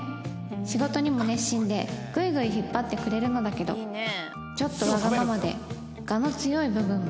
仕事にも熱心でグイグイ引っ張ってくれるのだけどちょっとわがままで我の強い部分も